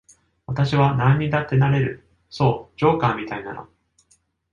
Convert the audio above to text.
私はなんにだってなれる、そう、ジョーカーみたいなの。